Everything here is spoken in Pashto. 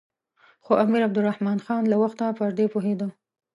خو امیر عبدالرحمن خان له وخته پر دې پوهېده.